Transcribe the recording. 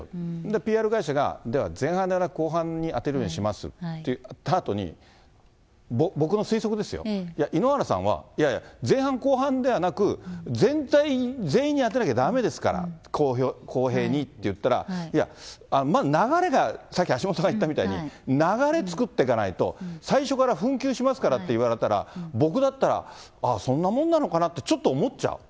ＰＲ会社が、では前半ではなく後半で当てるようにしますって言ったあとに、僕の推測ですよ、いや、井ノ原さんは、いやいや前半、後半ではなく、全体、全員に当てなきゃだめですから、公平にって言ったら、いや、流れが、さっき橋下さんが言ったみたいに、流れ作ってかないと、最初から紛糾しますからって言われたら、僕だったら、ああ、そんなもんなのかなってちょっと思っちゃう。